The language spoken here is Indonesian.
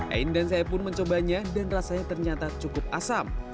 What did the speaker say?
ain dan saya pun mencobanya dan rasanya ternyata cukup asam